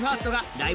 ライブ！」